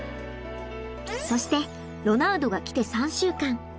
そしてロナウドが来て３週間。